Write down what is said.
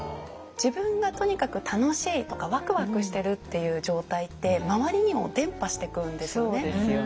自分がとにかく楽しいとかワクワクしてるっていう状態って周りにも伝播していくんですよね。